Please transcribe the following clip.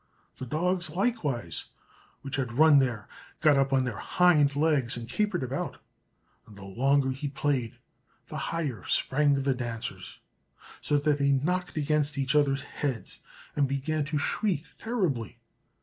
The dogs, likewise, which had run there got up on their hind legs and capered about; and the longer he played, the higher sprang the dancers, so that they knocked against each other's heads, and began to shriek terribly.